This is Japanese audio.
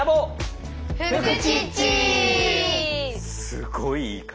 すごいいい回。